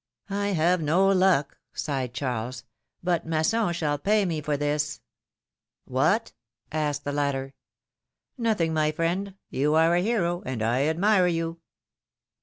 have no luck,^^ sighed Charles; but Masson shall pay me for this ! What?^^ asked the latter. JSTothing, my friend. You are a hero, and I admire you.